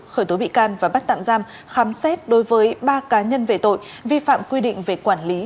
khởi tố bị can và bắt tạm giam khám xét đối với ba cá nhân về tội vi phạm quy định về quản lý